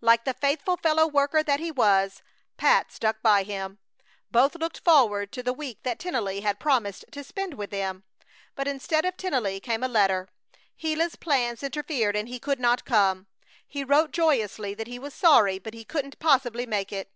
Like the faithful fellow worker that he was, Pat stuck by him. Both looked forward to the week that Tennelly had promised to spend with them. But instead of Tennelly came a letter. Gila's plans interfered and he could not come. He wrote joyously that he was sorry, but he couldn't possibly make it.